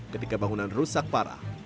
ketika bangunan rusak parah